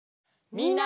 みんな！